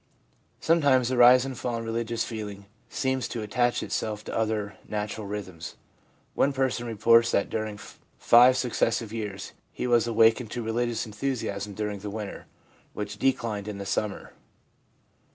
Sometimes the rise and fall in religious feeling seems to attach itself to other natural rhythms. One person reports that during five successive years he was awakened to a religious enthusiasm during the winter, which de clined in the summer.